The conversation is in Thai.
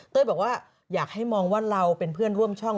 บอกว่าอยากให้มองว่าเราเป็นเพื่อนร่วมช่อง